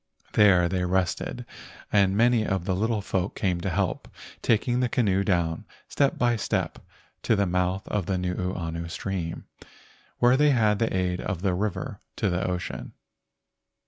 There they rested and many of the little folk came to help, taking the canoe down, step by 142 LEGENDS OF GHOSTS step, to the mouth of the Nuuanu stream, where they had the aid of the river to the ocean.